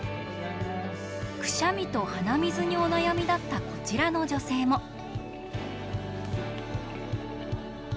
くしゃみと鼻水にお悩みだったこちらの女性も。